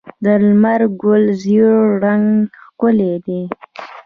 د لمر ګل ژیړ رنګ ښکلی دی.